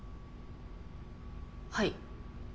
はい。